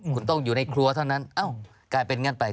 คุณต้องอยู่ในครัวเท่านั้นกลายเป็นงั้นไป